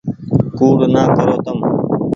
ڪوڙ نآ ڪرو تم ۔